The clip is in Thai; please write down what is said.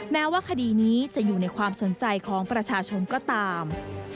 แม้ว่าคดีนี้จะอยู่ในความสนใจของประชาชนก็ตาม